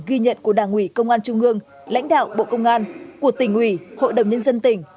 ghi nhận của đảng ủy công an trung ương lãnh đạo bộ công an của tỉnh ủy hội đồng nhân dân tỉnh